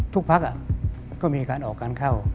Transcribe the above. ทุกพักก็มีการออกการเข้า